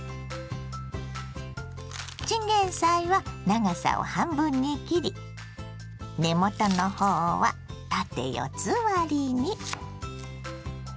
チンゲンサイは長さを半分に切り根元の方は縦四つ割りに。